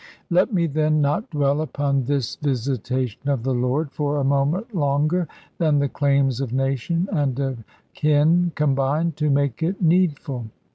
Let me, then, not dwell upon this visitation of the Lord for a moment longer than the claims of nation and of kin combine to make it needful.